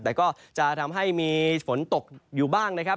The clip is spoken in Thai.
แต่ก็จะทำให้มีฝนตกอยู่บ้างนะครับ